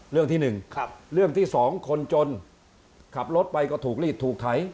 เรื่องที่๑เรื่องที่สองคนจนขับรถไปก็ถูกรีดถูกไถ